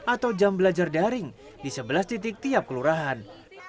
atau jam belajar daring di sebelas titik tiap kelurahan